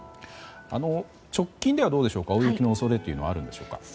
直近ではどうでしょう大雪の恐れはあるんでしょうか。